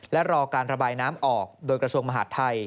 และรอการระบายน้ำออกโดยกระทรวงมหาดไทย